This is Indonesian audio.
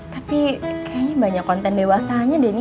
tapi kayaknya banyak konten dewasanya denny